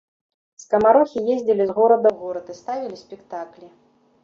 Скамарохі ездзілі з горада ў горад і ставілі спектаклі.